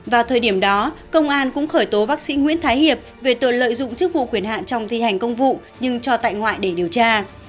vào thời điểm đó công an cũng khởi tố bác sĩ nguyễn thái hiệp về tội lợi dụng chức vụ quyền hạn trong thi hành công vụ nhưng cho tại ngoại để điều tra